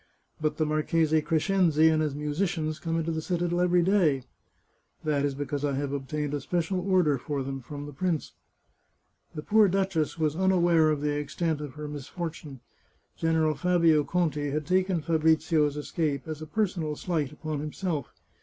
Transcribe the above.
" But the Marchese Crescenzi and his musicians come into the citadel every day." " That is because I have obtained a special order for them from the prince." The poor duchess was unaware of the extent of her mis fortune. General Fabio Conti had taken Fabrizio's escape as a personal slight upon himself.